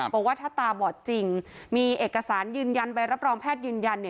บอกว่าถ้าตาบอดจริงมีเอกสารยืนยันใบรับรองแพทย์ยืนยันเนี่ย